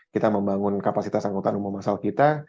kita membangun kapasitas anggota umum masal kita